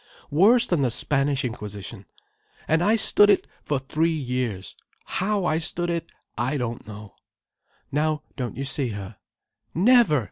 Worse than the Spanish Inquisition. And I stood it for three years. How I stood it, I don't know—" "Now don't you see her?" "Never!